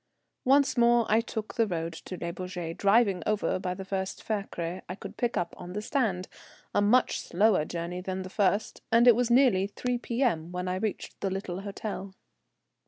Once more I took the road to Le Bourget, driving over by the first fiacre I could pick up on the stand, a much slower journey than the first, and it was nearly 3 P.M. when I reached the little hotel.